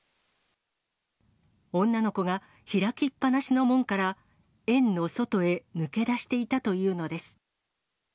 女の子が開きっぱなしの門から園の外へ抜け出していたというのです。